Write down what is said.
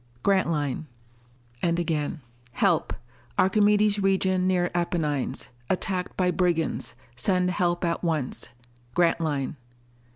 Grantline._ And again: Help. Archimedes region near Apennines. Attacked by brigands. _Send help at once. Grantline.